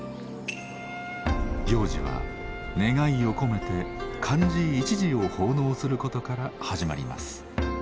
行事は願いを込めて漢字一字を奉納することから始まります。